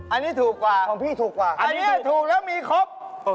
อันนี้ถูกกว่าอันนี้ถูกแล้วมีครบฮูวอันนี้ถูกกว่าของพี่ถูกกว่า